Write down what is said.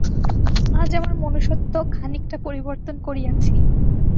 আজ আমার মনুষত্ব খানিকটা পরিবর্তন করিয়াছি।